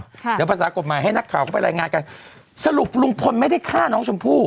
เดี๋ยวภาษากฎหมายให้นักข่าวเข้าไปรายงานกันสรุปลุงพลไม่ได้ฆ่าน้องชมพู่